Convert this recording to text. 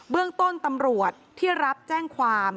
เรื่องต้นตำรวจที่รับแจ้งความ